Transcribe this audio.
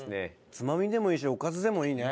つまみでもいいしおかずでもいいね。